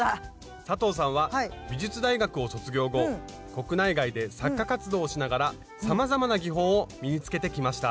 佐藤さんは美術大学を卒業後国内外で作家活動をしながらさまざまな技法を身につけてきました。